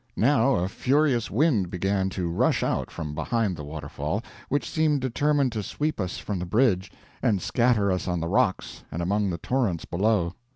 Now a furious wind began to rush out from behind the waterfall, which seemed determined to sweep us from the bridge, and scatter us on the rocks and among the torrents below.